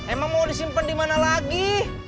emang mau disimpan di mana lagi